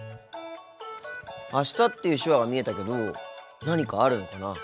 「あした」っていう手話が見えたけど何かあるのかな？